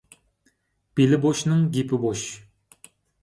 بېلى بوشنىڭ گېپى بوش.